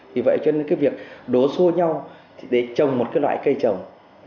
vì vậy cho nên cái việc đổ xô nhau để trồng một cái loại cây trồng